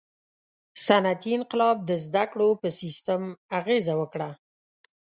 • صنعتي انقلاب د زدهکړو په سیستم اغېزه وکړه.